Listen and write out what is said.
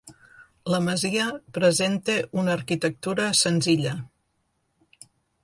La masia presenta una arquitectura senzilla.